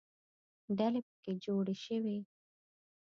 ډلې پکې جوړې شوې.